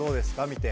見て。